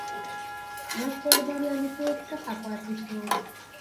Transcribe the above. بشپړ بریالیتوب څخه پاته شو.